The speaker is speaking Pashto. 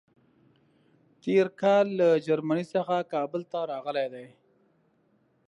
تېر کال له جرمني څخه کابل ته راغلی دی.